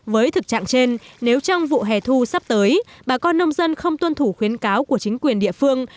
với thực trạng trên nếu trong vụ hè thu sắp tới bà con nông dân không tuân thủ khuyến cáo của chính quyền địa phương